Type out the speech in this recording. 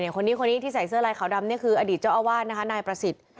คนนี้คนนี้ที่ใส่เสื้อลายขาวดำนี่คืออดีตเจ้าอาวาสนะคะนายประสิทธิ์